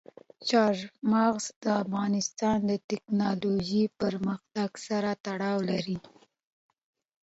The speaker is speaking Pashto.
چار مغز د افغانستان د تکنالوژۍ پرمختګ سره تړاو لري.